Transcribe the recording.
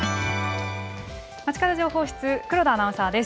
まちかど情報室、黒田アナウンサーです。